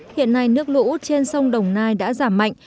hiện nay nước lũ trên sông đồng nai đã giảm mạnh